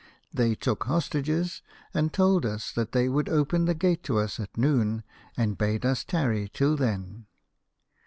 They took hostages, and told us that they would open the gate to us at noon, and bade us tarry till then.